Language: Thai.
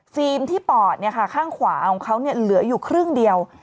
ที่ปอดข้างขวาของเขาเหลืออยู่ครึ่งเดียว